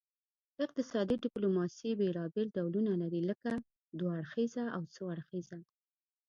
اقتصادي ډیپلوماسي بیلابیل ډولونه لري لکه دوه اړخیزه او څو اړخیزه